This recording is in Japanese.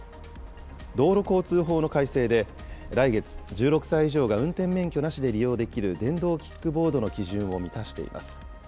道路交通法の改正で、来月、１６歳以上が運転免許なしで利用できる電動キックボードの基準を満たしています。